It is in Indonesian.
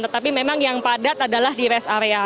tetapi memang yang padat adalah di rest area